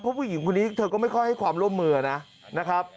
เพราะผู้หญิงคนนี้เธอก็ไม่ค่อยให้ความร่วมมือนะครับ